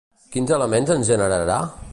Quins elements ens generarà?